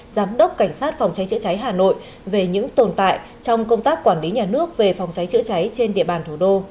giám đốc cảnh sát phòng cháy chữa cháy hà nội về những tồn tại trong công tác quản lý nhà nước về phòng cháy chữa cháy trên địa bàn thủ đô